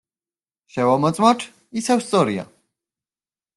შევამოწმოთ, ისევ სწორია.